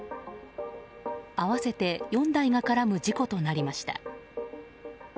合わせて４台が絡む事故となりました。